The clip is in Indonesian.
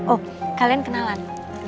oh kalian kenalan